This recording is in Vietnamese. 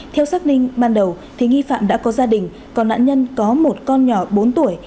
trước giác ninh ban đầu thì nghi phạm đã có gia đình còn nạn nhân có một con nhỏ bốn tuổi